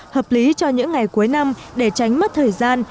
hợp lý cho những ngày cuối năm để tránh mất thời gian